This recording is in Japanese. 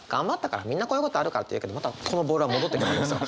みんなこういうことあるからって言うけどまたこのボールは戻ってくるんですよ。